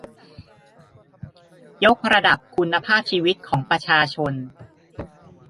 ยกระดับคุณภาพชีวิตของประชาชน